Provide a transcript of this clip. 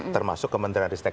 termasuk kementerian riset teknik